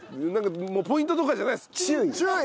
もうポイントとかじゃないです。